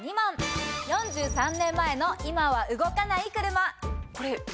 ４３年前の今は動かない車。